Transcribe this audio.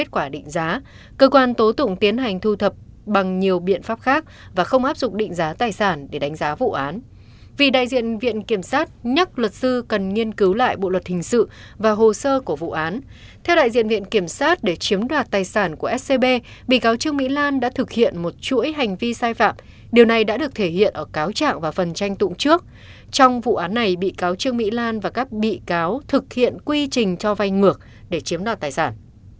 trong việc kiểm soát để chiếm đoạt tài sản của scb bị cáo trương mỹ lan đã thực hiện một chuỗi hành vi sai phạm điều này đã được thể hiện ở cáo trạng và phần tranh tụng trước trong vụ án này bị cáo trương mỹ lan và các bị cáo thực hiện quy trình cho vay ngược để chiếm đoạt tài sản